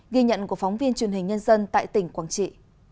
ghi nhận của phóng viên truyền hình nhân dân tại tỉnh quảng trị